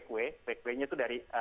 kue kuenya itu dari